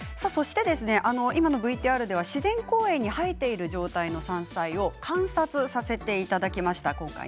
今のＶＴＲでは自然公園生えている状態の山菜を観察させていただきました。